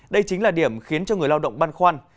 đây chính là điểm khiến cho người lao động băn khoăn